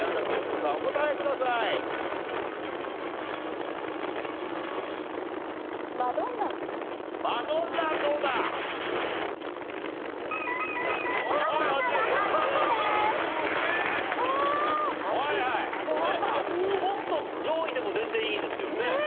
いやもっと上位でも全然いいですよね。